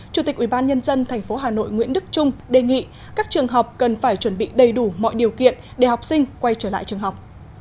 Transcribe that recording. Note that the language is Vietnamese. chủ tịch ubnd tp hà nội nguyễn đức trung đề nghị các trường học cần phải chuẩn bị đầy đủ mọi điều kiện để học sinh quay trở lại trường học